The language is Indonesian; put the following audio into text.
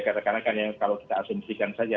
katakanlah kalau kita asumsikan saja